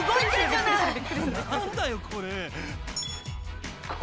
何だよこれ。